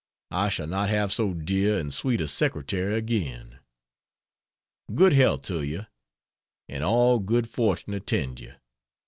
I shall not have so dear and sweet a secretary again. Good health to you, and all good fortune attend you.